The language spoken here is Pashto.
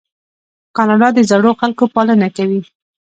کاناډا د زړو خلکو پالنه کوي.